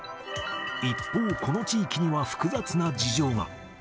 一方、この地域には複雑な事情が。